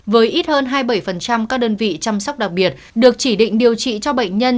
với ít hơn hai mươi bảy các đơn vị chăm sóc đặc biệt được chỉ định điều trị cho bệnh nhân